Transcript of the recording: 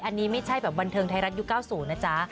อันนี้ไม่ใช่แบบบันเทิงไทยรัฐยุค๙๐นะจ๊ะ